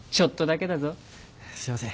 すいません。